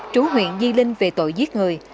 trú huyện di linh về tội giết người